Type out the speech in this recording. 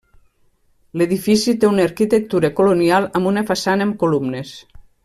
L'edifici té una arquitectura colonial amb una façana amb columnes.